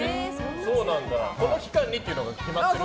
この期間にっていうのが決まってる？